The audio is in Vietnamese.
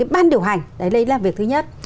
ban điều hành đấy là việc thứ nhất